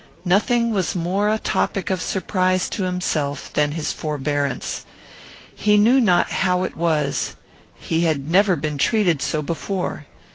Nothing was more a topic of surprise to himself than his forbearance. He knew not how it was. He had never been treated so before.